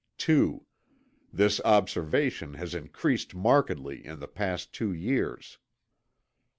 2. This observation has increased markedly in the past two years.